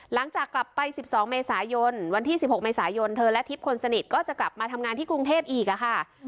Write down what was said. หลังจากกลับไป๑๒เมษายนวันที่๑๖เมษายนเธอและทิพย์คนสนิทก็จะกลับมาทำงานที่กรุงเทพอีกค่ะ